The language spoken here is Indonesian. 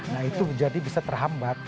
nah itu jadi bisa terhambat